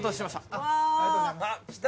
ありがとうございます。来た。